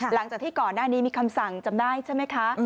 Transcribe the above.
หลังจากที่ก่อนหน้านี้มีคำสั่งจำได้ใช่ไหมคะ